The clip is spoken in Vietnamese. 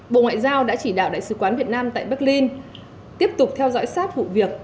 bộ ngoại giao đã chỉ đạo đại sứ quán việt nam tại berlin tiếp tục theo dõi sát vụ việc